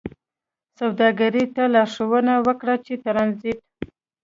سوداګرو ته لارښوونه وکړه چې ترانزیت